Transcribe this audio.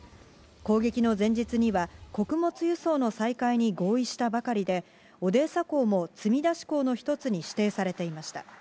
攻撃の前日には、穀物輸送の再開に合意したばかりで、オデーサ港も積み出し港の一つに指定されていました。